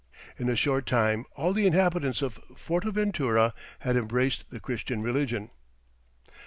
In a short time all the inhabitants of Fortaventura had embraced the Christian religion.